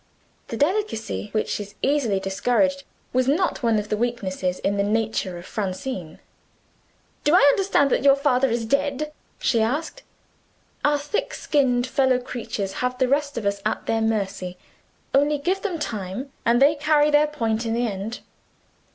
The delicacy which is easily discouraged was not one of the weaknesses in the nature of Francine. "Do I understand that your father is dead?" she asked. Our thick skinned fellow creatures have the rest of us at their mercy: only give them time, and they carry their point in the end.